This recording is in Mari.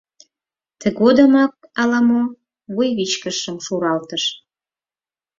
Тыгодымак ала-мо вуйвичкыжшым шуралтыш.